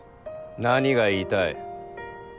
何が言いたい？